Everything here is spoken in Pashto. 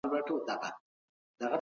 پښتو يو قانون دی.